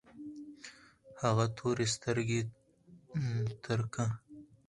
هغه تورې سترګې ترکه